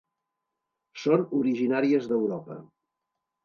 Són originàries d'Europa.